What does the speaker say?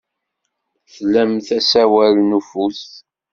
Tlamt asawal n ufus.